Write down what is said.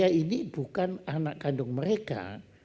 bahwa saya ini bukan anak gandum mereka